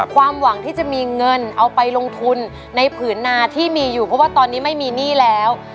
ความหวังที่จะมีเงินเอาไปลงทุนในผืนนาที่มีอยู่เพราะว่าตอนนี้ไม่มีหนี้แล้ว